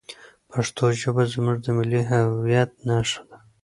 پښتو ژبه زموږ د ملي هویت نښه ده.